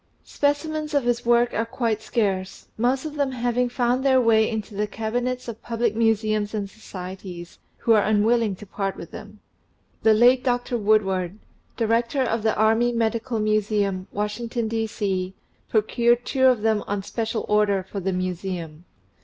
Speci mens of his work are quite scarce, most of them having found their way into the cabinets of public Museums and Societies, who are unwilling to part with them. The late Dr. Woodward, Director of the Army Medical Museum, Washington, D.C., procured two of them on special order for the Museum.